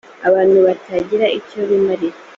abantu batagira icyo bimarira